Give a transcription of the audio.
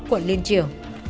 quận liên triều